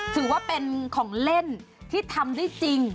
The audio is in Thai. ถือว่าเป็นของเล่นที่ทำได้จริง